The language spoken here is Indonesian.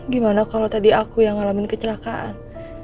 gimana kalau tadi aku yang ngalamin kecelakaan